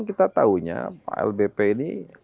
ya pintu atau orang yang selalu di dalam lbp ini kan